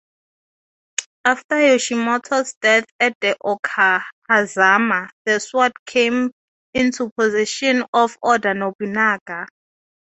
After Yoshimoto's death at the Okehazama, the sword came into possession of Oda Nobunaga.